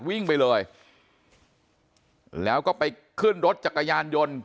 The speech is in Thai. วิ่งไปเลยแล้วก็ไปขึ้นรถจักรยานยนต์